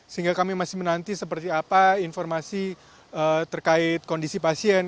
sehingga kami masih menanti seperti apa informasi terkait kondisi pasien